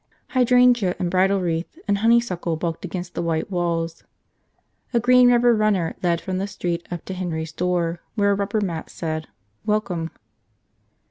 Hydrangea and bridal wreath and honeysuckle bulked against the white walls. A green rubber runner led from the street up to Henry's door where a rubber mat said Welcome.